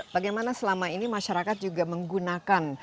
bagaimana selama ini masyarakat juga menggunakan